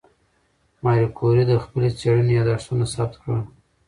ماري کوري د خپلې څېړنې یادښتونه ثبت کړل.